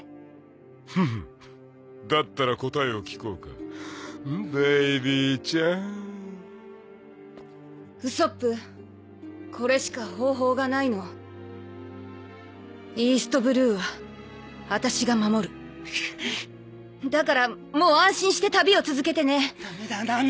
フフンだったら答えを聞こうかベイビーちゃんウソップこれしか方法がないの「東の海」は私が守るだからもう安心して旅を続けてねダメだナミ